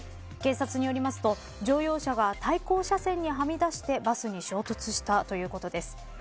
警察によりますと、乗用車が対向車線にはみ出してバスに衝突したということです。